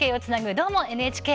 「どーも、ＮＨＫ」